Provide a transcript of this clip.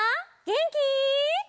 げんき？